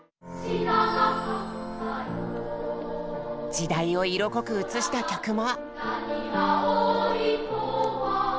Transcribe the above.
時代を色濃く映した曲も。